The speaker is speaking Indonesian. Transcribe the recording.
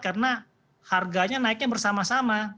karena harganya naiknya bersama sama